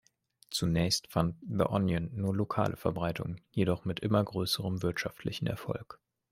Zunächst fand "The Onion" nur lokale Verbreitung, jedoch mit immer größerem wirtschaftlichen Erfolg.